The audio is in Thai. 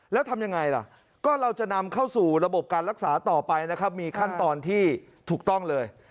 แล้วทำยังไงล่ะก็เราจะนำเข้าสู่ระบบการรักษาต่อไปนะครับมีขั้นตอนที่ถูกต้องเลย